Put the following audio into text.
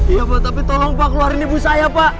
iya pak tapi tolong pak keluarin ibu saya pak